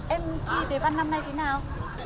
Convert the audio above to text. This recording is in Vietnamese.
em thi đề văn năm nay thế nào